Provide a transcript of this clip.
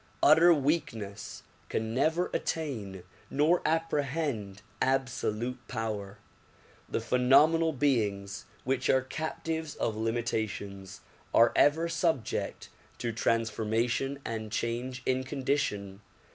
Utter weakness can never attain nor apprehend absolute power. The phenomenal beings which are captives of limitations are ever subject to trans formation and change in condition.